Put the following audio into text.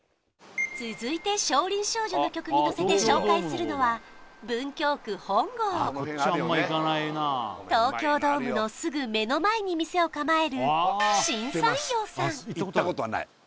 続いて「少林少女」の曲にのせて紹介するのは文京区本郷東京ドームのすぐ目の前に店を構える新三陽さん